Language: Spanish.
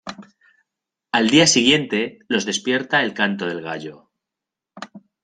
Al día siguiente, los despierta el canto del gallo.